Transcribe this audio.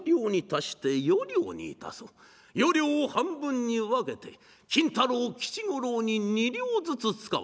四両を半分に分けて金太郎吉五郎に二両ずつ遣わす。